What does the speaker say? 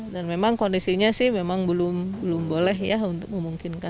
dan memang kondisinya sih belum boleh ya untuk memungkinkan